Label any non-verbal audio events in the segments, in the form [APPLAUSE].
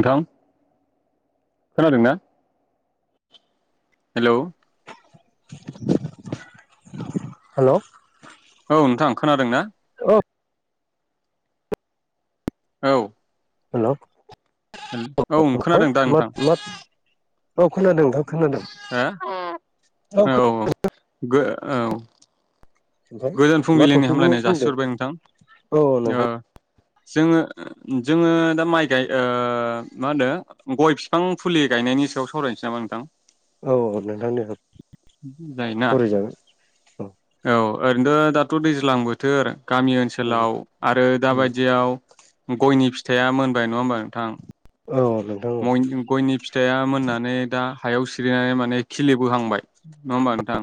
नोंथां खोनादों ना हेलौ हेल' औ नोंथाङ आं खोनादों ना द [UNINTELLIGIBLE] औ हेल' औ खोनादों दा नोंथां दाव खोनादों दाव खोनादों हो औ खोनादों गो [UNINTELLIGIBLE] औ गोजोन मा फुंबिलिनि टपिकनि हामलायनाय सोमोन्दै जासिहरबाय औ नोंथां ओ नोंथां जोङो जोङो दा माइ गाय ओ मा होनो गय बिफां फुलि गायनायनि सायाव सावरायनोसै नामा नोंथां औ औ नोंथांनो जायोना औ ओरैनोथ' दाथ' दैज्लां बोथोर गामि ओनसोलाव आरो दाबायदियाव गयनि फिथ फिथाइआ मोनबाय नङा होनोमबा नोंथां औ औ नोंथां औ गयनि फिथाइया मोननानै दा हायाव सिरिनानै माने खिलिबोहांबाय नङा होमबा नोंथां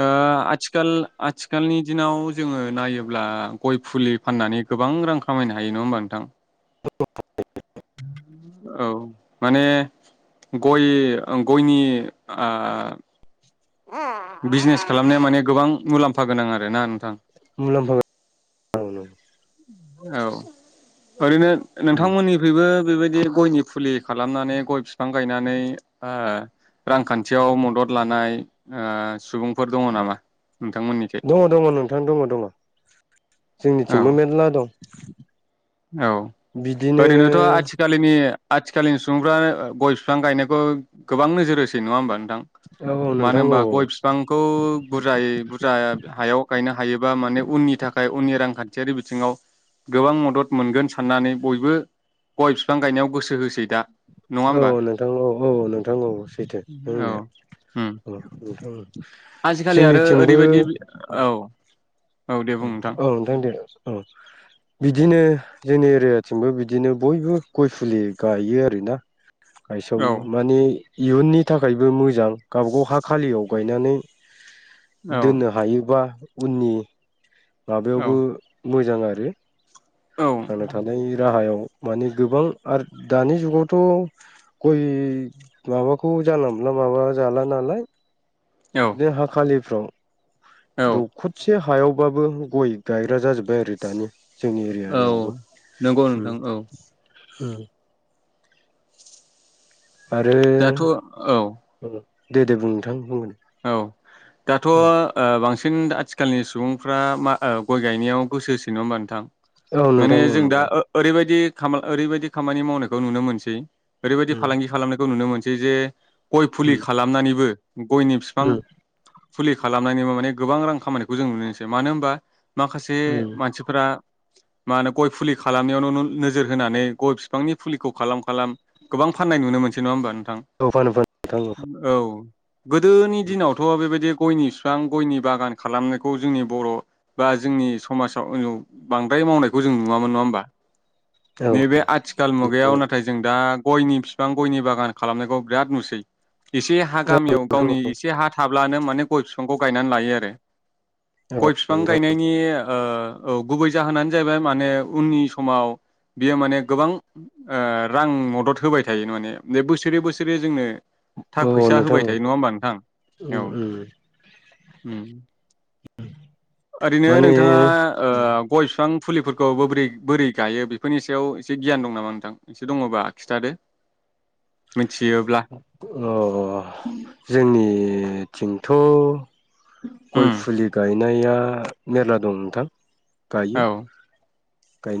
ओ आथिखाल आथिखालनि दिनाव जोङो नायोब्ला गय फुलि फाननानै गोबां रां खामायनो हायो नङा होमबा नोंथां औ माने गय गयनि बिजनेस खालामनाया माने गोबां मुलाम्फा गोनां आरो ना नोंथां मुलामफागोनांआनो औ ओरैनो नोंथांमोननिफ्रायइबो बेबायदि गयनि फुलि खालामनानै गय बिफां गायनानै रांखान्थियाव मदद लानाय सुबुंफोर दङ नामा नोंथांमोननिखै दङ दङ नोंथां दङ दङ औ जोंनिथिंबो मेरला दं [INAUDIBLE] औ बिदिनो ओरैनोथ' आथिखालनि आथिखालनि सुबुंफ्रा गय बिफां गायनायखौ गोबां नोजोर होसै नङा होमबा नोंथां औ औ मानो नोंथां औ होनबा गय बिफांखौ बुरजायै बुरजा हायाव गायनो हायोबा माने उननि थाखाय उननि रांखान्थियारि बिथिङाव गोबां मदद मोनगोन साननानै बयबो गय बिफां गायनायाव गोसो होसै दा। नङा औ होमबा नोंथां औ औ नोंथां औ सैथो नोंनाया औ उम औ नोंथां आजिखालि आरो जोंनिथिंबो ओरैबायदि औ औ दे बुं औ नोंथां दे औ बिदिनो जोंनि एरियाथिंबो बिदिनो बयबो गय फुलि गायो आरोना। औ गायसावो माने इयुननि थाखायबो मोजां। गावबागाव हा खालियाव गायनानै औ दोननो हायोबा उनि माबायावबो मोजां आरो। औ थांना थानायनि राहायाव माने गोबां आरो दानि जुगावथ' गय माबाखौ जानला मोनला माबा जाला नालाय औ दे हा खालि फ्राव औ दुखसे हायावबाबो गय गायग्रा जाजोब्बाय आरो दानि जोंनि एरिया यावबो औ नंगौ नोंथां औ उम आरो दाथ' औ दे दे बुं नोंथां बुंगोन औ दाथ' ओ बांसिन आथिखालनि सुबुंफ्रा मा गय गायनायाव गोसो होसो नङा होनबा नोंथां। औ नोंथां माने औ जों दा नंगौ ओरैबायदि ओरैबायदि खामानि मावनायखौ नुनो मोनसै ओरैबायदि उम फालांगि खालामनायखौ नुनो मोनसै दे जे गय फुलि उम खालामनानैबो गयनि फि उम । फुलि खालामनायनिबो माने गोबां रां खामानिखौ जों नुनोसै मानो होनबा माखासे उम मानसिफोरा मा होनो गय फुलि खालामनायावनो नोजोर होनानै गय बिफांनि फुलिखौ खालाम खालाम गोबां फाननाय नुनो मोनसै नङा होमबा नोंथां? औ फानो फानो [UNINTELLIGIBLE] औ। गोदोनि दिनावथ' बेबायदि गयनि बिफां गयनि बागान खालामनायखौ जोंनि बर' बा जोंनि समाजाव उनाव बांद्राय मावनायखौ जों नुवामोन नङा होमबा? नोंथां नैबे आथिखाल मुगायाव नाथाय जों दा गयनि बिफां गयनि बागान खालामनायखौ बिराद नुसै । एसे हा गामियाव गावनि एसे हा थाब्लानो माने गय बिफांखौ गायनानै लायो आरो औ । गय बिफां नोंथां गायनायनि ओ गुबै जाहोनानो जाहैबाय माने उननि समाव बियो माने गोबां ओ रां मदद होबाय थायो माने बे बोसोरै बोसोरै जोंनो औ नोंथां औ थाखा औ फैसा नोंथां होबाय औ थायो नङा होमबा नोंथां? औ उम उम उम । ओरैनो माने नोंथाङा ओ गय बिफां फुलिफोरखौ बोरै बोरै गायो बेफोरनि सायाव एसे गियान दं नामा नोंथां एसे दङबा खिन्थादो मिथियोब्ला । अ जोंथ' गय उम फुलि गाय नाया मेरला दं नोंथां । औ गायो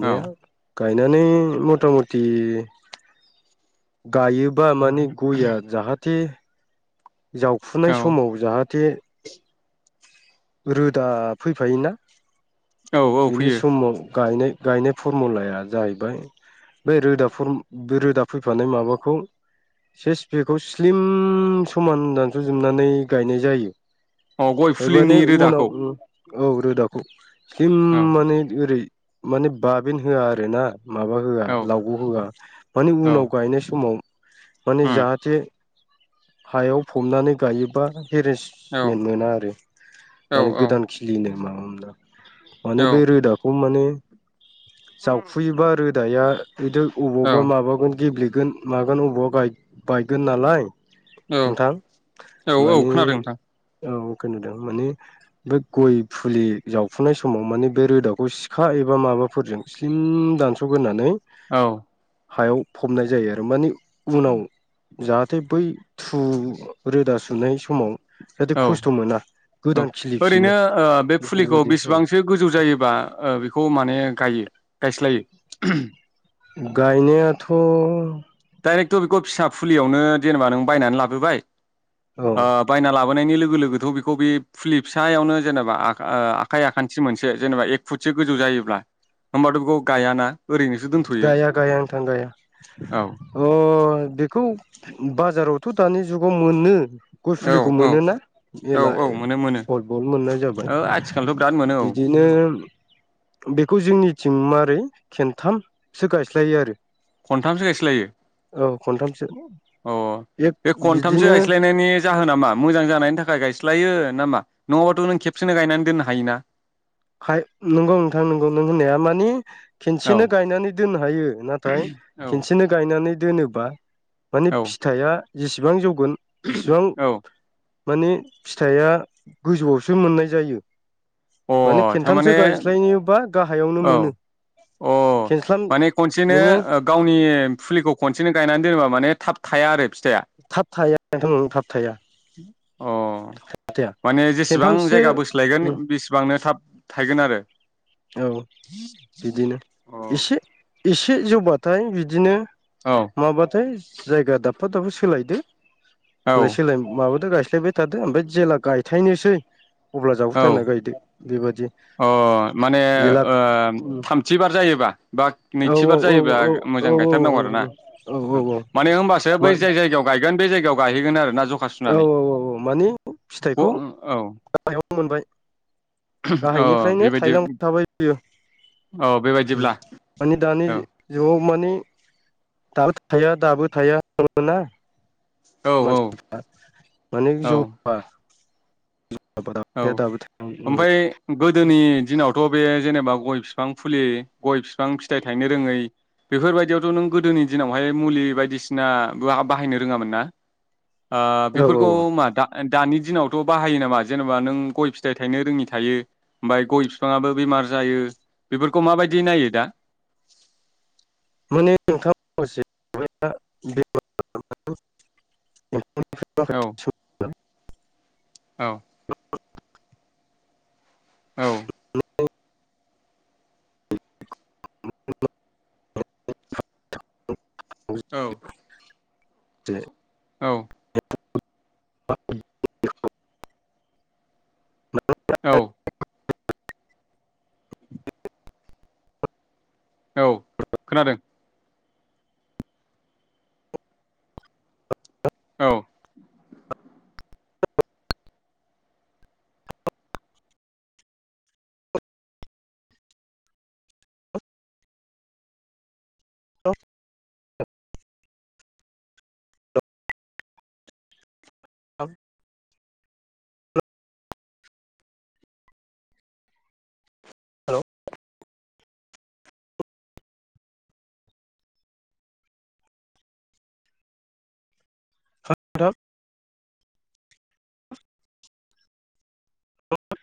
औ गायनानै मथा मथि गायोबा माने गया जाहाथे जावफुनाय औ समाव जाहाथे रोदा फैफायोना औ औ बिनि फैयो समाव गायनाय गायनाय फरमुलाया जाहैबाय बे रोदा बे रोदा फैफानाय माबाखौ सेस बेखौ स्लिम समान दानस'जोबनानै गायनाय जायो । अ गय फुलिनि रोदाखौ औ रोदाखौ । स्लिम औ माने ओरै माने बाबिन होआ आरो ना । माबा होआ औ लावग' होआ माने औ उनाव गायनाय समाव माने उम जाहाथे हायाव फबनानै गायोबा औ हेरेसमेन्ट मोना आरो औ माने औ गोदान खिलिनो माबा [UNINTELLIGIBLE] माने बे औ रोदाखौ माने [UNINTELLIGIBLE] जावफुयोबा रोद दाया बिदि अबावबा औ माबागोन गेब्ले गोन मागोन अबावबा बायगोन नालाय औ नोंथां औ औ मानि खोनादों नोंथां औ खोनोदों माने बे गय फुलि जावफुनाय समाव माने बे रोदाखौ सिखा एबा माबाफोरजों स्लिम दानस'ग्रोनानै औ हायाव फबनाय जायो आरो माने उनाव जाहाथे बै थु रोदा सुनाय समाव जाहाथे औ खस्थ' मोना औ गोदान खिलिफिनो ओरैनो बे फुलिखौ बेफोरबायदि औ बेसेबांसो गोजौ जायोबा बेखौ माने गायो गायस्लायो गायनायाथ' डाइरेक्थ' बेखौ फिसा फुलियावनो जेनेबा नों बायनानै लाबोबाय औ ओ बायना ला गनायनि लोगो लोगोथ' बेखौ बे फुलि फिसायावनो जेनेबा आखा आखाइ आखान्थि मोनसे जेनेबा एक फुटसो गोजौ जायोब्ला होमबाथ' बेखौ गायाना ओरैनोसो दोनथ'यो गाया गाया नोंथां गाया औ अ बेखौ बाजारावथ' दानि जुगाव मोनो गय औ फुलिखौ औ मोनोना औ मेला औ मोनो मोनो हरबल मोननाय जाबाय ओ आथिखालथ' बिराद मोनो औ बिदिनो बेखौ जोंनि जों मारै खेन थामसो गायस्लायो आरो खनथामसो गायस्लायो औ खनथामसो अ एक बे खनथामसो बिदिनो गायस्लायनायनि जाहोना मा मोजां जानायनि थाखाय गायस्ल स्लायो ना मा नंआबाथ' नों खेबसेनो गायनानै दोननो हायोना खाय नंगौ नोंथां नोंगौ नों होननाया मानि खेनसेनो औ गायनानै दोननो हायो नाथाय औ खेनसेनो गायनानै दोनोबा माने औ फिथाइआ जेबां जौग गोन जेसिबां औ माने फिथाइया गोजौआवसो मोननाय जायो अ माने खेनथामसो थारमाने गायस्लायनोबा गाहायावनो औ मोनो अ खेनस्लाम माने खनसेनो नोङो गावनि फुलिखौ खनसे बिसिनो गाय दोनोबा माने थाब थाया आरो जाया थाब थाया नोंथां थाब थाया अ फाथैया माने जिसिबां खेनथामसो जायगा बोसलायगोन बि थाब थायगोन आरो औ बिदिनो अ एसे एसे जौबाथाय बिदिनो औ मबाथाय जायगा दाबफा दाबा सोलायदो औ लाय सोलाय माबादोब्रा एसे गाय्लायबाय थादो ओमफ्राय जेला गायथायनोसै अब्ला औ जावफुथारना गायदो बेबादि अ माने जेला ओ थामथि बार ज एबा बा औ नैथिबार औ जायोबब्ला मोजां गायथारनांगौ आरो ना औ माने होमबासो बै जाय जायगायाव गायगोन बे जायगायाव गायहैगोन आरोना औ औ औ औ मानि औ फिथाइखौ मायावनो मोनबाय औ गाहायनिफ्रायनो बेबायदि थायलां थाबायायो औ बेबायदिब्ला माने दानि औ जुगाव मानि दा थाया दाबो थाया थ [INAUDIBLE] ना औ औ मानसिफ्रा मान औ जौबा औ थाया ओमफ्राय गोदोनि दिनाव थ बेे जेनेबा गय बिफां फुलि गयफि बिफां फिथाइ थायनो रोङै बेफोरबायदियावथ' नों गोदोनि दिनावहाय मुलि बायदिसिन बो बाहायनो रोङामोन ना ओ औ औ बेफोरखौ मा दा दानि दिनावथ' बाहायो नामा जेनेबा नों गय फिथाइ थायनो रोङि थायो ओमफ्राय गय बिफाङाबो बेमार जायो बेफोरखौ माबायदि नायो दा माने नोंथां [UNINTELLIGIBLE] औ औ [UNINTELLIGIBLE] [UNINTELLIGIBLE] औ [UNINTELLIGIBLE] [UNINTELLIGIBLE] औ जे औ [UNINTELLIGIBLE] औ। औ खोनादों। औ। औ। औ। हेल' [UNINTELLIGIBLE]